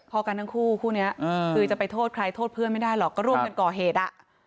พอกันทั้งคู่คู่นี้คือจะไปโทษใครโทษเพื่อนไม่ได้หรอกก็ร่วมกันก่อเหตุอ่ะ